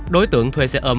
đối tượng thuê xe ôm